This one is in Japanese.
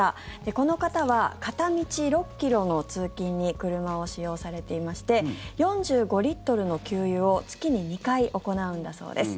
この方は片道６ｋｍの通勤に車を使用されていまして４５リットルの給油を月に２回行うそうです。